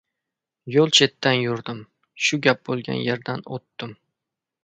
Yo‘l chetidan yurdim. Shu gap bo‘lgan yerdan o‘tdim.